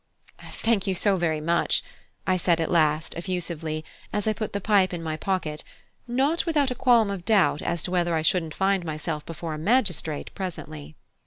"Thank you so very much," I said at last, effusively, as I put the pipe in my pocket, not without a qualm of doubt as to whether I shouldn't find myself before a magistrate presently.